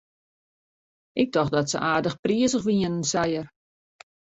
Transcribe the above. Ik tocht dat se aardich prizich wienen, sei er.